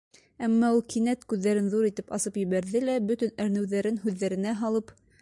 Әммә ул кинәт күҙҙәрен ҙур итеп асып ебәрҙе лә бөтөн әрнеүҙәрен һүҙҙәренә һалып: